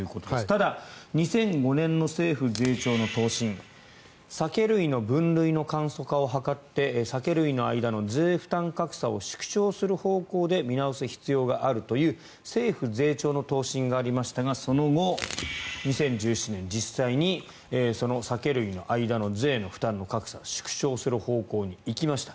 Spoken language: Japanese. ただ、２００５年の政府税調の答申酒類の分類の簡素化を図って酒類の間の税負担格差を縮小する方向で見直す必要があるという政府税調の答申がありましたがその後、２０１７年実際にその酒類の間の税の格差が縮小する方向に行きました。